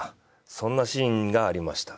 そんなシーンがありました。